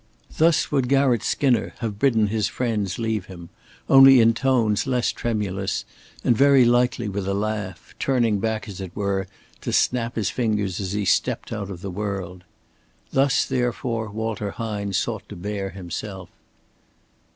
Thus would Garratt Skinner have bidden his friends leave him, only in tones less tremulous, and very likely with a laugh, turning back, as it were, to snap his fingers as he stepped out of the world. Thus, therefore, Walter Hine sought to bear himself.